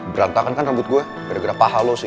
berantakan kan rambut gue gara gara paha lo sih